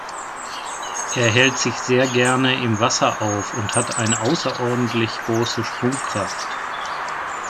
Er hält sich sehr gerne im Wasser auf und hat eine außerordentlich große Sprungkraft.